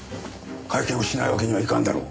会見をしないわけにはいかんだろ。